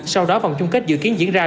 sau đó vòng chung kết dự kiến diễn ra